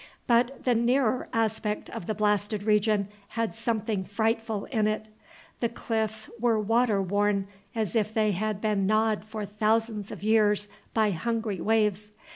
But the nearer aspect of the blasted region had something frightful in it. The cliffs were water worn, as if they had been gnawed for thousands of years by hungry waves.